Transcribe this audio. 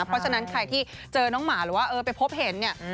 เพราะฉะนั้นใครที่เจอน้องหมาหรือว่าเออไปพบเห็นเนี่ย